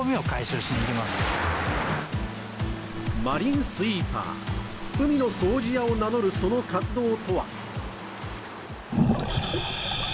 マリンスイーパー、海の掃除屋を名乗るその活動とは。